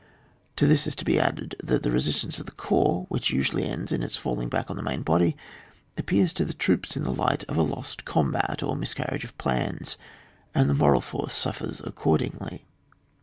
To this is to be added that the resistance of this corps which usually ends in its falling back on the main body, appears to the troops in the light of a lost combat, or miscarriage of plans, and the moral force suffers ac cordingly.